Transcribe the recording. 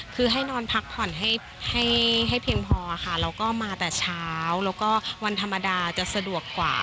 คือให้นอนพักผ่อนให้ให้เพียงพอค่ะแล้วก็มาแต่เช้าแล้วก็วันธรรมดาจะสะดวกกว่า